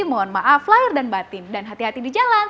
mohon maaf lahir dan batin dan hati hati di jalan